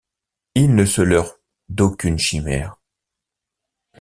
Il ne se leurre d'aucune chimère.